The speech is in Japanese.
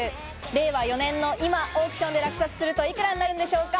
令和４年の今、オークションで落札すると幾らになるんでしょうか。